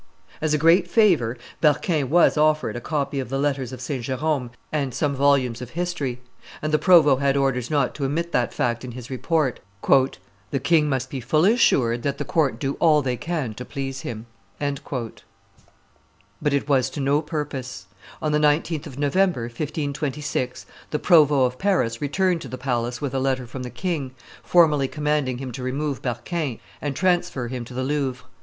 As a great favor, Berquin was offered a copy of the Letters of St. Jerome and some volumes of history; and the provost had orders not to omit that fact in his report: "The king must be fully assured that the court do all they can to please him." [Illustration: Berquin released by John de la Barre 198] But it was to no purpose. On the 19th of November, 1526, the provost of Paris returned to the palace with a letter from the king, formally commanding him to remove Berquin and transfer him to the Louvre.